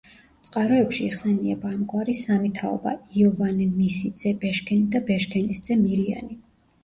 წყაროებში იხსენიება ამ გვარის სამი თაობა: იოვანე, მისი ძე ბეშქენი და ბეშქენის ძე მირიანი.